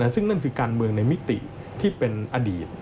ซึ่งนั่นคือการเมืองในมิติที่เป็นอดีต